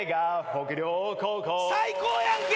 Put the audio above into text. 最高やんけ！